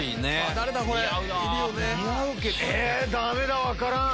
ダメだ分からん。